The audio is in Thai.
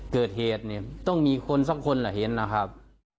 เกิดเหตุต้องมีคนสองคนเห็นนะครับ